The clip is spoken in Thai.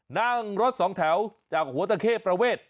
นั่งรถสองแถวจากหัวตะเข้ประเวท